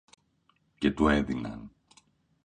Και του έδιναν